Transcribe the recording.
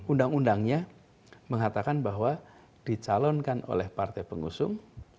undang undangnya mengatakan bahwa dicalonkan oleh partai pengusung